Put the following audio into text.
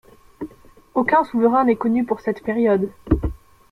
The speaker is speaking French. Aucun souverain n'est connu pour cette période.